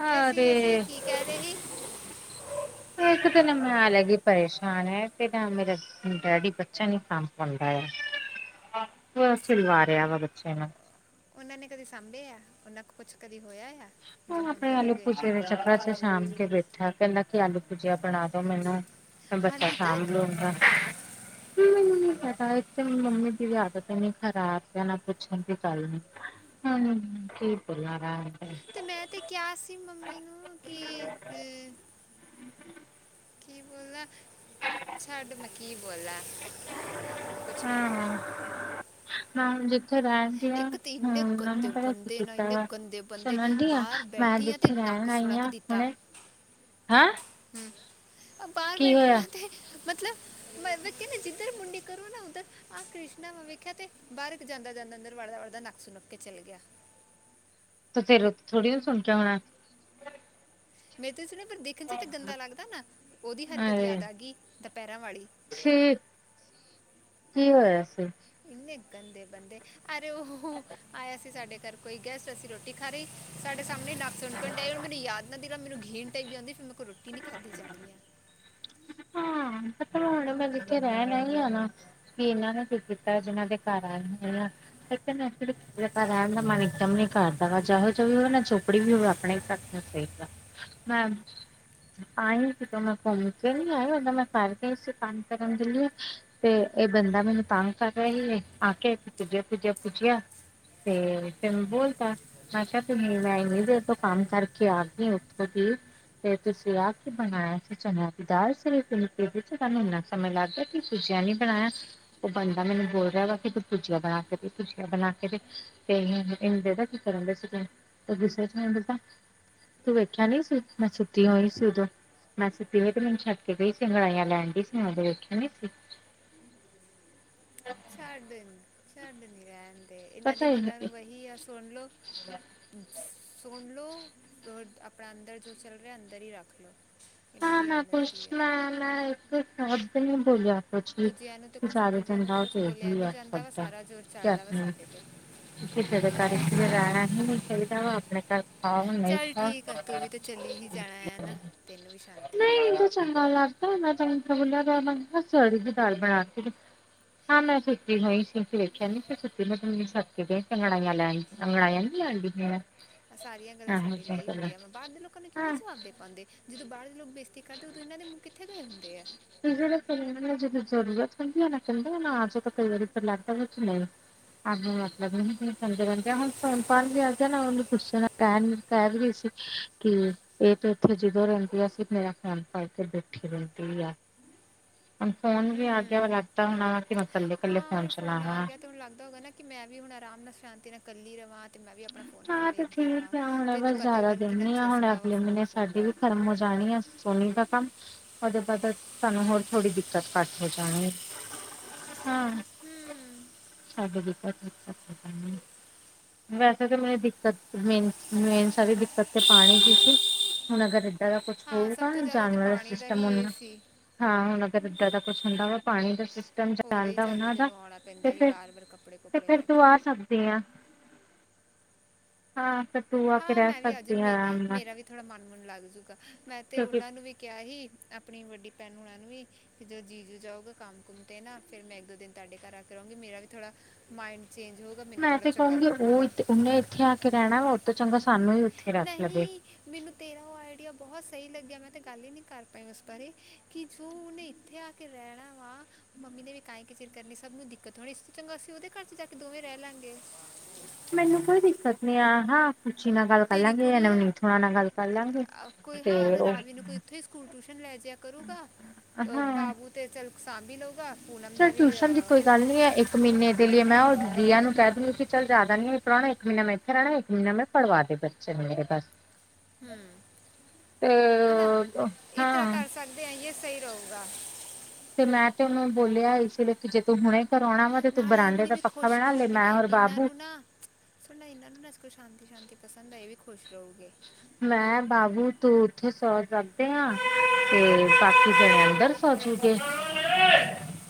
ਹਾਂ ਤੇ ਤੇ ਏਕ ਤਾਂ ਏਨੇ ਮਾਰੇਆ ਵੀ ਪਰੇਸ਼ਾਨ ਹੈ ਤੇ ਨਾ ਮੇਰਾ ਹੁਨ ਡੈੜੀ ਬੱਚੇਆ ਨੂੰ [unintelligible] ਕੇਓ ਚੀਲਵਾ ਰੇਆ ਵਾ ਬੱਚੇਆ ਨੂੰ? ਓਨਾਂ ਨੇ ਕਦੇ ਸਾਂਬੇਆ, ਓਨਾਂ ਕੋ ਕੁੱਛ ਕਦੀ ਹੋਏਆ ਯਾ? ਹੂਣ ਆਪਣੇ [unintelligible] ਬੈਠਾ ਕੈਂਦਾ ਕਿ, ਆਲੂ, ਭੁਜੀਆ ਬਣਾ ਦੋ ਮੈਨੂੰ ਮੈਂ ਬੱਚਾ ਸਾਂਭ ਲੂੰਗਾ। ਮੈਨੂੰ ਨੀ ਪਤਾ ਏਕ ਤੇ ਮੰਮੀ ਦੀ ਵੀ ਆਦਤ ਐਨੀ ਖਰਾਬ ਆਨਾ, ਪੁੱਛਣ ਦੀ ਗੱਲ ਨੀ। ਹੋਨ ਕੀ ਬੋਲਾ ਰੈਣਦੇ। ਤੇ ਮੈਂ ਤੇ ਕੇਆ ਸੀ ਮੰਮੀ ਨੂੰ ਕਿ ਕੀ ਬੋਲਾ ਛੱਡ ਮੈਂ ਕੀ ਬੋਲਾ। ਹਾਂ, ਹਾਂ। ਤੇ ਰੈਣ ਕੀਵਣ, ਹਾਂ, ਓਨਾਂ ਨੇ ਕੇੜਾ ਕੁਛ ਕੀਤਾ ਹੋਯਾ, ਸੋਨ ਆਂਦੀ ਆ ਮੈ ਆੱਜ ਰੈਣ ਆਈ ਆਂ ਹੁਣੇ, ਹਾ ਹੂੰ, ਅ ਬਾਹਰ ਬੈਠੀ ਆਂ ਤੇ ਮਤਲਬ ਮੈਂ ਤ ਕੈਂਦੀ ਜਿੱਦਰ ਮੁੰਡੀ ਕਰੋ ਨਾ ਓਦਰ ਆਹ ਕ੍ਰਿਸ਼ਨਾ ਵਾਲੇ ਇੱਕ ਤੇ, ਬਾਰ ਇੱਕ ਜਾਂਦਾ-ਜਾਂਦਾ ਅੰਦਰ ਵੜ ਵੜਦਾ ਨੱਕ ਸੁਨਕ ਕੇ ਚਲ ਗੇਆ। ਤੇ ਫੇਰ ਥੋੜੀ ਓ ਸੁਣਕੇਆ ਹੋਣਾ। ਮੇਰੀ ਤੋ ਸੁਨ, ਪਰ ਦੇਖਣ ਚ ਤਾਂ ਗੰਦਾ ਲੱਗਦਾ ਨਾ ਓਦੀ ਹਰਕਤ ਯਾਦ ਆ ਗੀ ਦਪੈਰਾਂ ਵਾਲੀ਼। ਛੀ, ਕੀ ਹੋਏਆ ਸੀ? ਇੰਨੇ ਗੰਦੇ ਬੰਦੇ, ਅਰੇ ਓਹ ਆਏਆ ਸੀ ਸਾਡੇ ਘਾਰ ਕੋਈ ਗੈਸਟ, ਅਸੀਂ ਰੋਟੀ ਖਾ ਰੇ ਸਾਡੇ ਸਾਮਣੇ ਨਾਕ ਸੀਣਕਨ ਡੇਆ, ਮੈਨੂੰ ਯਾਦ ਨਾ ਦਿ ਮੈਨੂੰ ਘੀਣ ਟਾਈਪ ਦੀ ਆਂਦੀ ਫਿਰ ਮੇਰੇ ਕੋਲੋ ਰੋਟੀ ਨਈ ਖਾਦੀ ਜਾਣੀ ਐ। ਹਾਂ ਪਤਾ, ਹੁਣ ਮੈ ਜਿਥੇ ਰੈਣ ਆਈ ਆ ਨਾ ਕਿ ਇਨਾਂ ਨੇ ਕੀ ਕੀਤਾ, ਜਿਨਾਂ ਦੇ ਘਰ ਆਈ ਆ ਮੈਂ ਫਿਰ ਤਾ ਮੈ ਏਸ ਵੇਲੇ਼ ਕਿਸੇ ਦੇ ਘਾਰ ਰੈਣ ਦਾ ਮਨ ਇਕਦਮ ਨੀ ਕਰਦਾ ਵਾ, ਜੇਹੋ ਜੀ ਵੀ ਹੋਵੇ ਨਾ ਝੋਪੜੀ ਵੀ ਹੋਵੇ ਆਪਣੇ ਘ ਮੈਮ, ਆਯਾ ਸੀਗਾ ਮੈ ਥੂਆਂਨੂ ਕੇਆ ਨੀ? ਤੇ ਹੋਰ, ਪੈਲਾ ਘਾਰ ਕਰਸੀ ਕੰਮ ਕਰਨ ਦੇ ਲਲੀ ਏ। ਤੇ ਏ ਬੰਦਾ ਮੈਨੂੰ ਤੰਗ ਕਰ ਰੇਆ ਈ ਏ, ਆ ਕੇ ਪੁਜੇਆ, ਪੁੱਜੇਆੁ, ਪੁਜੇਆ ਤੇ ਫੇਰ ਮੈਂ ਬੋਲਤਾ ਮੈ ਕੇਆ ਤੂ [unintelligible] ਓਥੋਂ ਕਾੰਮ ਕਰਕੇ ਆ ਗੀ ਏ ਓਥੋਂ ਦੀ ਤੇ ਤੁਸੀਂ ਆ ਕੇ ਬਨਾਯਾ ਸੀ, ਚਨੇਆਂ ਦੀ ਦਾਲ ਕੇ ਤੋਨੂੰ ਇੰਨਾ ਕ ਸਮੇਂ ਲਾੱਗ ਗੇਆ ਸੀ ਦੂਜੇਆ ਲਈ ਬਣਾਏਆ। ਓ ਬੰਦਾ ਮੈਨੂੰ ਬੋਲ ਰੇਆ ਵਾ ਕਿ, ਤੂੰ ਭੁਜੀਆ ਬਣਾ ਕੇ ਦੇ ਭੁਜੀਆ ਬਣਾ ਕੇ ਦੇ ਕੇ ਏਨੂੰ ਏਦਾ ਦਾ ਕੀ ਕਰੇਨ ਦੇ ਸੀਗੇ, ਤੇ ਗੂੱਸੇ ਚ ਨ ਏਨੇ ਕੀ ਕੀਤਾ। ਤੂੰ ਵੇਖੇਆ ਨੀ ਸੀ, ਮੈਂ ਸੁੱਤੀ ਹੋਈ ਸੀ ਓਦੋਂ, ਮੈਂ ਸੁੱਤੀ ਹੋ ਤੇ ਮੈਨ ਛ ਕੇ ਵੇਸ ਅੰਗੜਾਈਆਂ ਲੈਣ ਡਈ ਸੀ, ਓ ਵੇਖੇਆ ਨੀ ਸੀ? ਛੱਡ ਐਨੂ, ਛੱਡ ਨੀ ਰੈਨ ਦੇ ਏਨਾਂ ਦੀ ਗੱਲਾਂ ਨੂੰ ਵਹੀ ਆ ਸੋਨ ਲੋ ਸੋਨ ਲੋ, ਤ ਵ ਆਪਣਾ ਅੰਦਰ ਜੋ ਚਲ ਰੇਆ ਅੰਦਰ ਈ ਰਾੱਖ ਲੋ। ਹਾਂ, ਮੈਂ ਪੁਛ ਨਾ-ਨਾ ਏਕ ਸ਼ਬਦ ਨਈ ਬੋਲੇਆ। ਪੁਛ ਸਾਰੇ ਦਿਨ ਦਾ ਓ ਤੇ [unintelligible] ਰੱਖ ਸਕਦਾ ਤੇ ਆਪਣਾ ਕਿਸੇ ਦੇ ਘਰ ਇਸ ਤਰਾ ਰੈਣਾ ਹੀ ਨਹੀਂ ਚਈਦਾ ਵਾ ਆਪਣੇ ਘਰ [unintelligible] ਨਹੀਂ ਤਾਂ ਚੰਗਾ ਲੱਗਦਾ, ਮੈਂ ਚ ਬੋਲਿਆ ਸਰੀ ਦੀ ਦਾਲ ਬਣਾ ਕੇ, ਹਾਂ ਮੈਂ ਸੁਤੀ ਹੋਈ ਸੀ, ਵੇਖਿਆ ਨੀ ਤੇ [unintelligible] ਅਗੜਾਈਆ [unintelligible] ਸਾਰੀਆਂ ਗੱਲਾਂ ਸਾਡੇ ਲਈ ਇਹੀ ਹੁੰਦੀਆਂ, ਵਾ ਬਾਰਲੇ ਲੋਕਾਂ ਨੂੰ ਕਿਉਂ ਨਹੀਂ ਜਦ ਦੇ ਪਾਉਂਦੇ ਜਦੋਂ ਬਾਹਰ ਦੇ ਲੋਕ ਬ ਅਤੇ ਕਰਦੇ ਉਦੋਂ ਇਹ ਦੇ ਮਹੂੰ ਕਿੱਥੇ ਗਏ ਹੁੰਦੇ ਹੈ। ਜਦੋਂ ਜ਼ਰੂਰਤ ਹੁੰਦੀ ਹੈ, ਨਾ ਕਹਿੰਦੇ ਨਾ ਆ ਕਈ ਵਾਰੀ ਫਿਰ ਲੱਗਦਾ ਕਿ ਨਹੀਂ ਆਹ ਮਤਲਬ ਨਹੀਂ ਰਹਿੰਦੇ ਹੁਣ ਫੋਣ ਪਾ ਵੀ ਆ ਗਿਆ ਨਾ, ਉਹਨੂੰ ਪੁੱਛ ਕਹਿਣ ਕਹਿ ਵੀ ਰਹੀ ਸੀ, ਕਿ ਇਹ ਤੇ ਇੱਥੇ ਜਦੋਂ ਰਹਿੰਦੀਆਂ ਸੀ। ਮੇਰਾ ਫੋਨ ਫੜ ਕੇ ਬੈਠੀ ਰਹਿੰਦੀ ਆ। ਹੁਣ ਫੋਨ ਵੀ ਆ ਗਿਆ, ਵ ਲੱਗਦਾ ਹੋਣਾ ਵ ਕਿ ਮਸੱਲੇ ਹੁਣ ਫੋਨ ਆ ਗਿਆ, ਤੇ ਹੁਣ ਲੱਗਦਾ ਹੋ ਨਾ, ਕਿ ਮੈਂ ਵੀ ਹੁਣ ਆਰਾਮ ਨਾਲ ਸ਼ਾਂਤੀ ਨਾਲ ਇਕੱਲੀ ਰਵਾਂ, ਅਤੇ ਮੈਂ ਵੀ ਆਪਣਾ ਫੋਨ-ਫੋਨ ਵੇਖਦੀ ਰਵਾਂ, ਅਤੇ ਇਹਦਾ ਪਤਾ ਹੀ ਉਹਨਾਂ ਨੂੰ ਕਿੰਨਾ ਚਸਕਾ ਵਾ ਫੋਠ-ਫੋਨ ਦਾ ਕਰਮ ਹੋ ਜਾਣੀ ਆ। ਦਾ ਕੰਮ ਉਹਦੇ ਬਾਅਦ ਸਾਨੂੰ ਹੋਰ ਥੋੜੀ ਦਿੱਕਤ ਘੱਟ ਹੋ ਜਾਣੀ। [unintelligible] ਹੂੰ, [unintelligible] ਵੈਸੇ ਤਾਂ ਮੇਰੀ ਦਿੱਕਤ ਮੇਨ-ਮੇਨ ਸਾਰੀ ਦਿੱਕਤ ਤੇ ਪਾਣੀ ਦੀ ਸੀ। ਹੁਣ ਅਗਰ ਏਦਾਂ ਦਾ ਕੁਛ ਹੋਊਗਾ, ਜਾਨਵਰਾਂ ਦਾ ਸਿਸਟਮ ਹੁੰਦਾ। ਹਾਂ ਹੁਣ ਅਗਰ ਇੱਦਾਂ ਦਾ ਕੁਛ ਹੁੰਦਾ ਵਾ, ਪਾਣੀ ਦਾ ਸਟਮ ਜਾਣਦਾ, ਉਹਨਾਂ ਦਾ ਤੇ ਫਿਰ ਤੇ ਫੇਰ ਤੂੰ ਆ ਸਕਦੀ ਆ। ਹਾਂ ਫੇਰ ਤੂੰ ਆ ਕੇ ਰਹਿ ਸਕਦੀ ਆ। ਥੋੜ੍ਹਾ ਮਨ-ਮਨ ਲੱਗ, ਜੂਗਾ ਮੈਂ ਤਾਂ ਉਹਨਾਂ ਨੂੰ ਵੀ ਕਿਹਾ ਸੀ, ਆਪਣੀ ਵੱਡੀ ਭੈਣ ਉਹਾਂ ਨੂੰ ਵੀ, ਜਦੋਂ ਜੀ ਜੂ ਜਾਊਗਾ, ਕੰਮ ਕੁੁੰਮ ਤੇ ਨਾ ਫਿਰ ਮੈਂ ਇੱਕ ਦੋ ਦਿਨ ਤੁਹਾਡੇ ਘਰ ਆ ਕਰ ਰਹੇਗੀ, ਮੇਰਾ ਵੀ ਥੋੜ੍ਹਾ ਮਾਈੰਡ ਚੇਂਜ ਹੋ ਮੈਂ ਤੇ ਕਹੂੰਗੀ ਉਹ ਉਹਨੇ ਇੱਥੇ ਆ, ਕੇ ਰਹਿਣਾ ਵਾ ਉਹ ਤੋਂ ਚੰਗਾ ਸਾਨੂੰ ਹੀ ਉੱਥੇ ਰੱਖ ਲਵੇ। ਮੈਨੂੰ ਤੇਰਾ ਉਹ ਆਈਡੀਆ ਬਹੁਤ ਸਹੀ ਲੱਗਿਆ, ਮੈਂ ਤਾਂ ਗੱਲ ਹੀ ਨਹੀਂ ਕਰ ਪਾਈ ਉਸ ਬਾਰੇ, ਕਿ ਜੋ ਉਹਨੇ ਇੱਥੇ ਆ ਕੇ ਰਹਿਣਾ ਵਾ, ਮੰਮੀ ਨੇ ਵਿ ਕਾਏ ਕੇ ਚਿਰ ਕਰਨੀ ਸਭ ਨੂੰ ਦਿੱਕਤ ਹੋਣੀ, ਇਸ ਚੰਗਾ ਅਸੀਂ ਉਹਦੇ ਘਰ ਚ ਜਾ ਕੇ ਦੋਵੇਂ ਰਹਿ ਲਾਂਗੇ। ਮੈਨੂੰ ਕੋਈ ਦਿੱਕਤ ਨੀ ਆਇਆ ਹਾਂ। ਉੱਚੀ ਨਾਲ ਗੱਲ ਕਰ ਲਾਂਗੇ, ਜਾਂ ਨਵਨੀਤ ਹੋਣਾ ਨਾਲ ਗੱਲ ਕਰ ਲਾਂਗੇ, ਤੇ ਉਹ ਵੀ ਨੂੰ ਕੋਈ ਇੱਥੋਂ ਹੀ ਸਕੂਲ ਟਿਊਸ਼ਨ ਲੈ ਜਿਹਾ ਕਰੂਗਾ। ਹਾਂ, ਬਾਬੂ ਤੇ ਚੱਲ ਸਾਂਭ ਈ ਲਉਗਾ। ਚ ਟਿਊਸ਼ਨ ਦੀ ਕੋਈ ਗੱਲ ਨਹੀਂ ਹੈ। ਇੱਕ ਮਹੀਨੇ ਦੇ ਲਈ ਮੈਂ ਉਹ ਦੀਆ ਨੂੰ ਕਹਿ ਦੁਗੀ ਕਿ ਚੱਲ, ਜਿਆਦਾ ਨੀ ਮ ਪੜ੍ਹਉਣਾ ਇੱਕ ਮਹੀਨਾ ਮੈਂ ਇੱਥੇ ਰਹਿਣਾ ਇੱਕ ਮਹੀਨਾ ਮੈਂ, ਪੜਵਾ ਦੇ ਬੱਚੇ ਨੇ ਮੇਰੇ ਬਸ ਹੂੰ, ਹਨਾ ਇਤਰਾ ਕਰ ਸਕ ਆਈਏ ਫੇਰ ਹੋਊਗਾ। ਤੇ ਮੈਂ ਤੇ ਉਹਨੂੰ ਬੋਲਿਆ ਇਸ ਵੇਲੇ। ਜੇ ਤੂੰ ਹੁਣੇ ਕਰ ਆਉਣਾ ਵਾ, ਤੇ ਤੂੰ ਬਰਾਂਡੇ ਦਾ ਪੱਖਾ ਬਣਾ ਲੈ ਮੈਂ ਹੋਰ ਬਾਬੂ- ਤੁਹਾਡਾ ਇਹਨਾਂ ਨੂੰ ਨਾ ਅ ਇਸ ਕੁਲ ਸ਼ਾਂਤੀ ਸ਼ਾਂਤੀ ਪਸੰਦ ਏ, ਇਹ ਵੀ ਖੁਸ਼ ਰਹੋਗੇ। ਮੈਂ ਬਾਬੂ ਤੂੰ ਉੱਥੇ ਸੌ ਸਕਦੇ ਹਾਂ। ਹੂੰ, ਬਾਕੀ ਦੇ ਨਾਲ ਅੰਦਰ ਸੋਜੁਗੇ।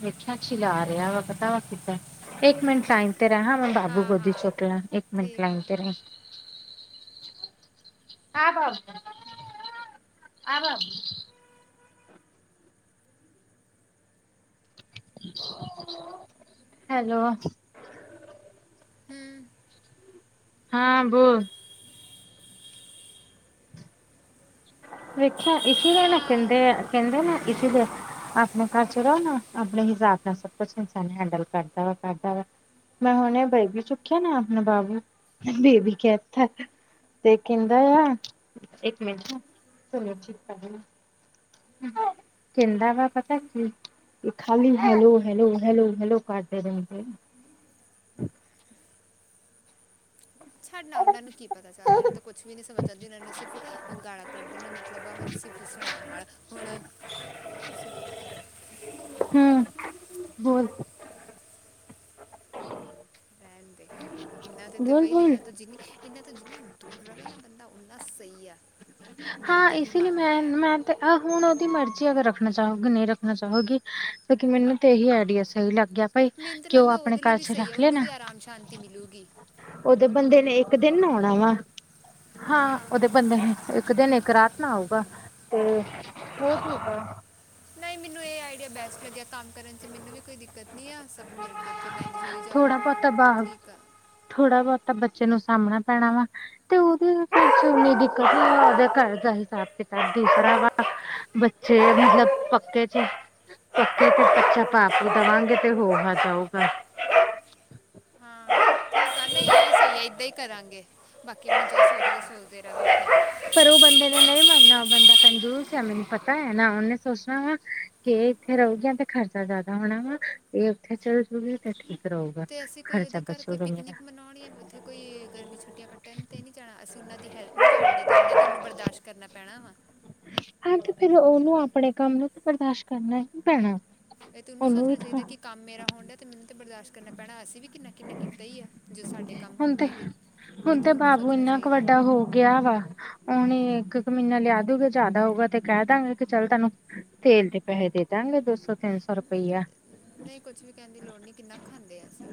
ਵੇਖਿਆ ਚਲਾ ਰਿਹਾ ਵਾ, ਪਤਾ ਵਾ ਕਿੱਦਾਂ ਇੱਕ ਮਿੰਟ ਲਾਈ, ਤੇ ਰਹਾ ਮੈਂ ਬਾਬੂ ਗੋਦੀ ਚਕਲਾ ਇੱਕ ਮਿੰਟ ਲਾਈਨ ਤੇ ਰਹੀ। ਹਾ, ਬਾਬੂ ਆ ਬਾਬ ਹੈਲੋ, ਹੂੰ, ਹਾਂ ਬੋ ਵੇਖਿਆ ਇਸ ਲਈ ਕਹਿੰਦੇ-ਕਹਿੰਦੇ ਨਾ ਇਸ ਲ ਆਪਣੇ ਘਰ ਚਲੋ ਨਾ। ਆਪਣੇ ਹਿਸਾਬ ਨਾਲ ਸਭ ਕੁਛ ਇਨਸਾਨ ਹੈਂਡਲ ਕਰਦਾ ਵਾ-ਕਰਦਾ ਵਾ। ਮੈਂ ਹੁਣੇ ਬੇਬੀ ਚੁੱਕਿਆ ਨਾ ਆਪਣੇ ਬਾਾਬੂ ਬੇਬੀ ਕਹਿਤਾ ਹੈ। ਤੇ ਕਹਿੰਦਾ ਆ ਇੱਕ ਮਿੰਟ ਹਾਂ। ਥੋਣਾ ਚੁਪ ਕਰ ਜਾਣਾ। ਕਹਿੰਦਾ ਵਾ ਪਤਾ ਕੀ? ਖਾਲੀ ਹੈਲੋ- ਹੈਲੋ -ਹੈਲੋ- ਹੈਲੋ, ਕਰਦੇ ਰਹਿੰਦੇ। ਛਡਨਾ ਉਹਨਾਂ ਨੂੰ ਕੀ ਪਤਾ ਚੱਲਦਾ ਉਹ ਨੂੰ ਕੁੱਛ ਵੀ ਨਹੀਂ ਸਮਝ ਆਉਂਦੀ ਉਹਨਾਂ ਨੂੰ ਸਿਰਫ਼ ਅ ਗਾਲਾਂ ਕੱਢਣ ਮਤਲ ਮਤਲਬ ਆ ਹਰ ਸਿਫੀ ਸੁਣਾਉਣ ਨਾਲ ਹੁਣ ਸ ਹੂੰ, ਬੋਲ ਰਹਨਦੇ। ਇਹਨਾਂ ਦੇ ਤਾਂ ਵਹੀ ਨਾ ਇਹਨਾਂ ਤੋਂ ਜਿੰਨੀ ਇਹਨਾਂ ਤੋਂ ਜਿੰਨੀ ਦੂਰ ਰਹੇ ਨਾ ਬੰਦਾ ਓਨਾ ਸਹੀ ਆ। ਹਾਂ, ਇਸ ਲਈ ਮੈਂ-ਮੈਂ ਤੇ ਆਹ ਹੁਣ ਉਹਦੀ ਮਰਜ਼ੀ ਅਗਰ ਰੱਖਣਾ ਚਾਹੋਗੀ, ਨਹੀਂ ਰੱਖਣਾ ਚਾਹੋਗੀ ਤਾਂ ਕਿ ਮੈਨੂੰ ਤਾਂ ਇਹੀ ਆਈਡੀਆ ਸਹੀ ਲੱਗ ਗਿਆ ਭਾਈ ਕਿ ਉਹ ਆਪਣੇ ਕਜ ਰੱਖ ਲਿਆ ਨਾ? ਉਹਦੇ ਬੰਦੇ ਨੇ ਇੱਕ ਦਿਨ ਆਉਣਾ ਵਾ, ਹਾਂ ਉਹਦੇ ਬੰਦੇ ਨੇ ਇੱਕ ਦਿਨ ਇੱਕ ਰਾਤ ਨਾ ਆਊਗਾ, ਤੇ ਉਹ ਨਹੀਂ, ਮੈਨੂੰ ਇਹ ਆਈਡੀਆ ਬੈਸਟ ਲੱਗਿਆ ਕੰਮ ਕਰਨ ਚ ਮੈਨੂੰ ਵੀ ਕੋਈ ਦਿੱਕਤ ਨਹੀਂ ਹ, ਸਭ ਮਿਲ ਕੇ ਉੱਥੇ ਮੈਨੇਜ ਹੋ ਹੀ ਜਾਊਗਾ ਠੀਕ ਆ। ਥੋੜ੍ਹਾ-ਬਹੁਤਾ ਬੱਚੇ ਨੂੰ ਸਾਂਭਣਾ ਪੈਣਾ ਵਾ। ਤੇ ਉਹਦੇ ਨੀ ਦਿੱਕਤ ਉਹਦ ਘਰ ਦਾ ਹਿਸਾਥ-ਕਿਤਾਬ ਦੂਸਰਾ ਵਾ। ਬੱਚੇ ਮਤਲਬ ਪੱਕੇ ਚ ਪੱਕੇ ਤੇ ਅੱਛਾ ਪਾ-ਪੁ ਵੀ ਦੇਵਾਂਗੇ ਤੇ ਹੋ ਆ ਜਾਊਗਾ। ਇਹੀ ਸਹੀ ਹੈ, ਏਦਾਂ ਹੀ ਕਰਾਂਗੇ ਬਾਕੀ ਹੁਣ ਜੋ ਸੋਚਦੇ-ਸੋਚਦੇ ਰਹੇ ਫਿਰ। ਪਰ ਉਹ ਬੰਦੇ ਨੇ ਨਹੀਂ ਮੰਨਨਾ ਉਹ ਬੰਦਾ ਕੰਦੂਸ ਆ ਮੈਨੂੰ ਪਤਾ ਹੈ ਨਾ ਉਹਨੇ ਸੋਚਣਾ ਵਾ ਕਿ ਇੱਥੇ ਰਉਗੀਆਂ ਤੇ ਖਰਚਾ ਜਿਆਦਾ ਹੋਣਾ ਵਾ ਇਹ ਉੱਥੇ ਚੱਲ ਜਾਉਗੀ ਤੇ ਠੀਕ। ਤੇ ਅਸੀਂ ਕੋਈ ਉਹਦੇ ਘਰ ਕੋਈ ਪਿਕਨਿਕ ਮਨਾਉਣ ਜਾਂ ਉੱਥੇ ਕੋਈ ਗਰਮੀ ਛੁੱਟੀਆਂ ਕੱਟਣ ਤੇ ਨਹੀਂ ਜਾਣਾ, ਅਸੀਂ ਉਹਨਾਂ ਦੀ ਹੈਲਪ ਨੀ ਜਾਣਦੇ ਤੇ ਉਹਨਾ ਤੁਹਾਨੂੰ ਬਰਦਾਸ਼ ਕਰਨਾ ਪੈਣਾ ਵਾ। ਹਾਂ, ਤੇ ਫਿਰ ਉਹਨੂੰ ਆਪਣੇ ਕੰਮ ਨੂੰ ਤੇ ਬਰਦਾਸ਼ ਕਰਨਾ ਹੀ ਪੈਣਾ। ਤੇ ਇਹ ਊਹਨੂ ਸੋਚਣਾ ਚਾਹੀਦਾ ਕਿ ਕੰਮ ਮੇਰਾ ਹੋਡਿਆ। ਤੇ ਮੈਨੂੰ ਤੇ ਬਰਦਾਸ਼ ਕਰਨਾ ਪੈਣਾ ਅਸੀਂ ਵੀ ਕਿੰਨਾ-ਕਿੰਨਾ ਕੀਤਾ ਹੀ ਆ, ਜੋ ਸਾਡੇ ਕੰਮ ਹੁੰਦੇ ਹੀ। ਇਹ ਤੇ ਉਹਨੂੰ ਸੋਚਣਾ ਚਾਹੀਦਾ। ਹੋ ਗਿਆ ਵਾ। ਹੁਣ ਇੱਕ-ਇੱਕ ਮਹੀਨਾ ਲਿਆ ਦੂਗੇ ਜ਼ਿਆਦਾ ਹੋਊਗਾ ਤੇ ਕਹਿ ਦਵਗੇ ਕਿ ਚੱਲ ਤੈਨੂੰ ਤੇਲ ਦੇ ਪੈਸੇ ਦੇ ਦਾਂਗੇ ਦੋ ਸੌ-ਤਿੰਨ ਸੌ ਰੁਪਈਆ। ਨਹੀਂ, ਕੁੱਝ ਵੀ ਕਹਿਣ ਦੀ ਲੋੜ ਨਹੀਂ ਕਿੰਨਾ ਖਾਂਦੇ ਹਸੀਂ,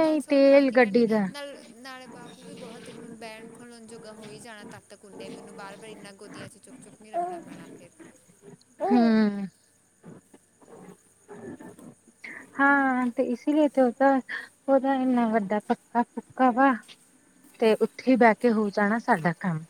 ਨਾਲ ਸੁਣ ਨਾ ਕੀ ਕੰਡੀ ਨਾਲ ਨਾਲੇ ਬਾਬੂ ਵੀ ਬਹੁਤ ਹੁਣ ਬਹਿਣ-ਖੋਲਣ ਜੋਗਾ ਹੋਈ ਜਾਣਾ ਤੱਦ ਤੱਕ ਕੁੁੰਨੇ ਵੀ ਉਹਨੂੰ ਬਾਰ-ਬਾਰ ਇੰਨਾਂ ਗੋਦੀਆਂ ਚ ਚੁੱਕ-ਚੁਕ ਨਹੀਂ ਰੱਖਣਾ ਪੈਣਾ ਫਿਰ। ਹੂੰ। ਹਾਂ, ਤੇ ਇਸ ਲਈ ਤੇ ਹੋ ਤਾਂ ਉਹਦਾ ਇੰਨਾ ਵੱਡਾ ਪੱਕਾ- ਪੱਕਾ ਵਾ। ਤੇ ਉੱਥੇ ਬੈ ਕੇ ਹੋ ਜਾਣਾ ਸਾਡਾ ਕੰਮ।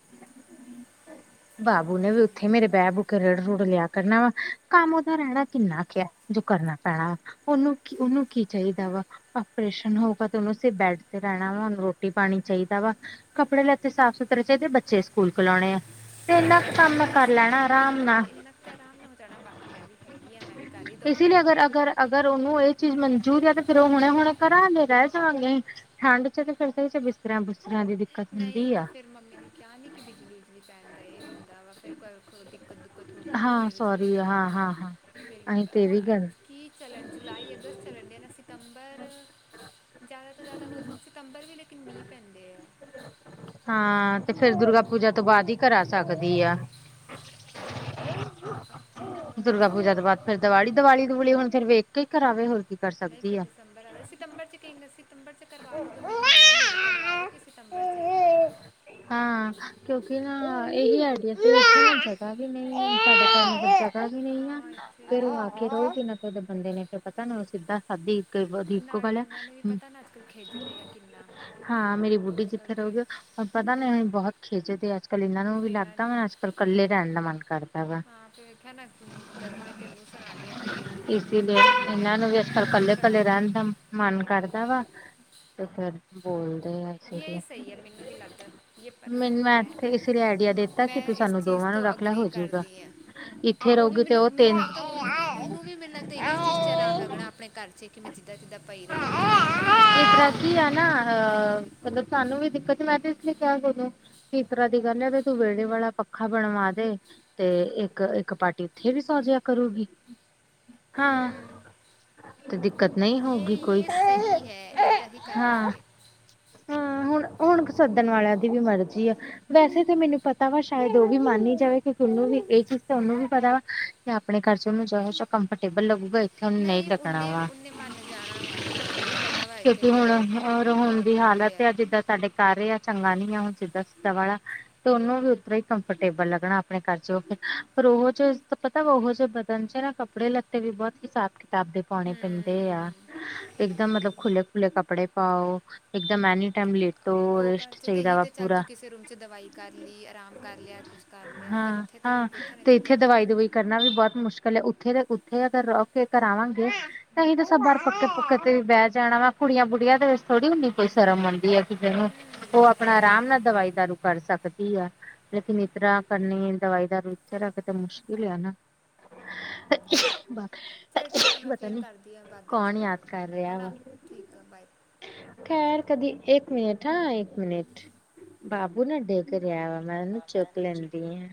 [unintelligible] ਬਾਬੂ ਨੇ ਵੀ ਉੱਥੇ ਮੇਰੇ ਬੈ-ਬੁਕੇ ਰਿੜ-ਰੁੜ ਲਿਆ ਕਰਨਾ ਵਾ, ਕੰਮ ਉਹਦਾ ਰਹਿਣਾ ਕਿੰਨਾ ਕ, ਜੋ ਕਰਨਾ ਪੈਣਾ। ਉਹਨੂੰ ਕੀ-ਉਹਨੂੰ ਕੀ ਚਾਹੀਦਾ ਵਾ? ਆਪਰੇਸ਼ਨ ਹੋਉਗਾ ਤੇ ਉਹਨੂੰ ਸਿਰਫ ਬੈਡ ਤੇ ਰਹਿਣਾ ਵਾ, ਉਹਨੂੰ ਰੋਟੀ-ਪਾਣੀ ਚਾਹੀਦਾ ਵਾ। ਕੱਪੜੇ-ਲੈਤੇ ਸਾਫ਼-ਸੁਥਰੇ ਚਾਹੀਦੇ ਬੱਚੇ ਸਕੂਲ ਖੁਲ ਜਾਣੇ ਆ ਤੇ ਇੰਨਾ ਕੰਮ ਇ ਇੰਨਾ-ਇੰਨਾ ਕੁ ਤੇ ਆਰਾਮ ਨਾਲ ਹੋ ਜਾਣਾ, ਬਾਕੀ ਮੈਂ ਵੀ ਹੈਗੀ ਆ ਮੈਂ ਵੀ ਕਰ ਹੀ ਦਊਂਗੀ। ਅਗਰ ਉਹਨੂੰ ਇਹ ਚੀਜ਼ ਮਨਜੂਰ ਏ ਤੇ ਫੇਰ ਉਹ ਹੁਣੇ-ਹੁਣੇ ਕਰਾਂਗੇ ਰਹਿ ਜਾਵਾਂਗੇ। ਠੰਡ ਚ ਤੇ ਫਿਰ [unintelligible] [unintelligible] ਦੀ ਨਹੀਂ ਤੇ ਫੇਰ ਮੰਮੀ ਨੇ ਕਿਹਾ ਨੀ ਕਿ ਬਿਜਲੀ ਚ ਵੀ ਪੈਣ ਡਏ ਆ ਹੁੰਦਾ ਵਾ ਫੇਰ ਏ ਵੇਖੋ ਕੋ ਦਿੱਕਤ ਦੁਕਤ ਹੋ ਗਈ ਤੇ ਫੇਰ ਜੇਲਣ ਆ ਨਾ ਫਿਰ ਹੁਣ ਅ ਕੀ ਚੱਲਣ ਜੁਲਾਈ, ਅਗਸਤ ਚੱਲਣ ਡੇਆ ਨਾ ਸਤੰਬਰ ਜ਼ਿਆਦਾ ਤੋਂ ਜ਼ਿਆਦਾ ਹੋ ਸਤੰਬਰ ਵੀ ਲੇਕਿਨ ਮੀਂਹ ਪੈਂਦੇ ਆ। ਹਾਂ ਤੇ ਫੇਰ ਦੁਰਗਾ ਪੂਜਾ ਤੋਂ ਬਾਅਦ ਹੀ ਕਰਾ ਸਕਦੀ ਆ। [inaudible] ਦੁਰਗਾ ਪੂਜਾ ਤੋਂ ਬਾਅਦ ਫੇਰ ਦੀਵਾਲੀ, ਦੀਵਾਲੀ, ਦਵਾਲੀ ਹੁਣ ਫਿਰ ਵੇਖ ਕੇ ਹੀ ਕਰਾਵੇ ਹੋਰ ਕੀ। ਨਹੀਂ ਤੇ ਸਤੰਬਰ, ਸਤੰਬਰ ਕਈਨਾ ਸਿਤੰਬਰ ਚ ਕਰਵਾ ਲਓਦ ਮੀਹ ਇਨੇ ਨਹੀਂ ਹੁੰਦੇ ਕਰਵਾ ਲੇ ਕਿ ਸਤੰਬਰ ਚ ਹੀ। ਹਾਂ ਕਿਉਂਕਿ ਨਾ ਇਹੀ ਆਈਡੀਆ ਵੀ ਸਾਡੇ ਕੰਮ ਵੀ ਨਹੀਂ ਆ ਫੇਰ ਉਹ ਆਖ ਰਹੋ ਕਿਨਾ ਤੇਦੇ ਬੰਦੇ ਨੇ ਫੇਰ ਪਤਾ ਨਾ ਉਹ ਸਿੱਧਾ ਸਾਧੀ ਦੀਪ ਕਾਰ ਲਿਆ ਹੂੰ ਹਾਂ ਮੇਰੀ ਬੁੱਢੀ ਜਿੱਥੇ ਰਹੋਗੀ, ਹੁਣ ਪਤਾ ਨੀ ਹੁਣ ਬਹੁਤ ਖੇੱਜਦੇ ਤੇ ਅੱਜ-ਕੱਲ ਇੰਨਾ ਮੈਨੂੰ ਵੀ ਲੱਗਦਾ ਮੈ ਅੱਜ-ਕੱਲ ਕੱਲੇ ਰਹਿਣ ਦਾ ਮਨ ਕਰਦਾ ਵਾ। ਇਸ ਲਈ ਇਹਨਾਂ ਨੂੰ ਵੀ ਅੱਜ-ਕਲ ਕੱਲੇ-ਕੱਲੇ ਰਹਿਣ ਦਾ ਮਨ ਕਰਦਾ ਵਾ ਤੇ ਫਿਰ ਬੋਲਦੇ ਆ। ਇਹੀ ਸਹੀ ਹੈ, ਮੈਨੂੰ ਵੀ ਲੱਗਦਾ ਯ ਪਰਫੈਕਟ ਪਲੈਨ ਆ, ਮੈਂ ਇਸ ਚੀਜ਼ ਤੋਂ ਅਗਰੀ ਕਰਦੀ ਆ। ਉਹ ਵੀ ਮੈਨੂੰ, ਮੈਨੂੰ ਲੱਗਦਾ ਉਹਨੂੰ, ਉਹਨੂੰ ਵੀ ਮੈਨੂੰ ਲੱਗਦਾ ਇਹੀ ਚੀਜ਼ ਚ ਆਰਾਮ ਲੱਗਣਾ ਆਪਣੇ ਘਰ ਚ ਕਿ ਮੈਂ ਜਿੱਦਾਂ- ਜਿੱਦਾਂ ਪਈ ਰਵਾਂ, ਜੋ-ਜੋ ਕਰਾਂ। ਕੀ ਹੈ ਨਾ ਅਹ ਮਤਲਬ ਸਾਨੂੰ ਵੀ ਦਿੱਕਤ ਮੈਂ ਤੇ ਇਸ ਲਈ ਕਿਹਾ ਓਨੂੰ ਇਸੀ ਤਰਾ ਦੀ ਗੱਲ ਆ ਤੇ ਤੂੰ ਵੇਹੜੇ ਵਾਲਾ ਪੱਖਾ ਬਣਵਾ ਦੇ। ਤੇ ਇੱਕ, ਇੱਕ ਪਾਰਟੀ ਉੱਥੇ ਵੀ ਸੋਜਿਆ ਕਰੂਗੀ। ਹਾਂ ਤੇ ਦਿੱਕਤ ਨਹੀਂ ਹੋਊਗੀ। ਇਹ ਸਹੀ ਐ ਏਦਾਂ ਹੀ ਕਰ ਲਾਂਗੇ। ਹਾਂ ਹੁਣ, ਹੁਣ ਸੱਦਣ ਵਾਲਿਆਂ ਦੀ ਵੀ ਮਰਜ਼ੀ ਆ। ਵੈਸੇ ਤਾਂ ਮੈਨੂੰ ਪਤਾ ਵਾ ਸ਼ਾਇਦ ਉਹ ਵੀ ਮੰਨੀ ਜਾਵੇ, ਕਿਉਂਕਿ ਉਹਨੂੰ ਵੀ ਇਹ ਚੀਜ਼ ਤਾਂ ਉਹਨੂੰ ਵੀ ਪਤਾ ਵਾ। ਕਿ ਆਪਣੇ ਘਰ ਚ ਉਨੂੰ ਜੇ ਹੋਜਾ ਕੰਫਰਟੇਬਲ ਲਗੂ ਇੱਥੇ ਨਹੀਂ ਲੱਗਣਾ ਵਾ ਕਿਉਂਕਿ ਹੁਣ ਹੋਰ ਹੁਣ ਦੀ ਹਾਲਤ ਆ ਜਿੱਦਾਂ ਸਾਡੇ ਘਰ ਆ, ਚੰਗਾ ਨੀ ਆ ਹੁਣ ਸਿੱਧਾ-ਸਿੱਧਾ ਵਾਲਾ ਤੇ ਉਹਨੂੰ ਵੀ ਉੱਧਰੋਂ ਹੀ ਕੰਫਰਟੇਬਲ ਲੱਗਣਾ ਆਪਣੇ ਘਰ ਚ ਉਹ ਫਿਰ ਪਰ ਉਹ ਜਿਹੇ ਪਤਾ ਵਾ ਉਹੋ ਜਿਹੇ ਬਦਣ ਚ ਨਾ ਕੱਪੜੇ ਲੱਤੇ ਵੀ ਬਹੁਤ ਹਿਸਾਬ ਕਿਤਾਬ ਦੇ ਪਾਉਣੇ ਪੈਂਦੇ ਆ, ਇਕਦਮ ਮਤਲਬ ਖੁੱਲ੍ਹੇ-ਖੁੱਲੇ ਕੱਪੜੇ ਕੱਪੜੇ ਪਾਓ, ਇੱਕਮ ਐਨੀ ਟਾਈਮ ਲੇਟ ਉਹ ਘਰ ਚ ਤੇ ਹੀ ਤੇ ਚੱਲ ਤੂੰ ਕਿਸੇ ਰੂਮ ਚ ਦਵਾਈ ਕਰ ਲਈ, ਆਰਾਮ ਕਰ ਲਿਆ, ਕੁਛ ਕਰ ਲਿਆ, ਪਰ ਇੱਥੇ ਤੇ ਵੇਖਿਆ ਨੇ ਤੇ ਇੱਥੇ ਦਵਾਈ ਦਵੁਈ ਕਰਨਾ ਵੀ ਬਹੁਤ ਮੁਸ਼ਕਿਲ ਹੈ, ਉੱਥੇ ਤੇ ਉੱਥੇ ਅਗਰ ਰੋ ਕੇ ਕਰਾ ਆਵਾਂਗੇ। ਤਾਂਸੀ ਤਾਂ ਸਭ ਬਾਰ ਪੱਕੇ-ਪੁਖੇ ਤੇ ਵੀ ਬਹਿ ਜਾਣਾ ਵਾ, ਕੁੜੀਆਂ ਬੁੜੀਆਂ ਆ ਦੇ ਵਿੱਚ ਥੋੜੀ ਹੁੰਨੀ ਕੋਈ ਸ਼ਰਮ ਆਦੀ ਆ ਕਿਸੇ ਨੂੰ ਉਹ ਆਪਣਾ ਆਰਾਮ ਨਾਲ ਦਵਾਈ ਦਾਰੂ ਕਰ ਸਕਦੀ ਆ। ਲੇਕਿਨ ਇਤਾਂ ਕਰਨੀ ਦਵਾਈ ਦਾਰੂ ਉੱਥੇ ਰਾਖ ਕੇ ਤਾਂ ਮੁਸ਼ਕਿਲ ਆ ਨਾ। [inaudible] ਚੱਲ ਠੀਕ ਆ, ਮੈਂ ਫੇਰ ਕਰਦੀ ਹਾਂ ਬਾਦ ਵਿੱਚ ਗੱਲ ਹੈਨਾ ਠੀਕ ਆ ਬਾਏ। ਖੈਰ ਕਦੀ ਇੱਕ ਮਿੰਨਟ ਹਾਂ ਇੱਕ ਮਿੰਨਟ, ਬਾਬੂ ਨਾ ਡੇਗ ਰਿਹਾ ਵਾ। ਮੈਂ ਓਨੂੰ ਚੁੱਕ ਲੈਂਦੀ ਆ।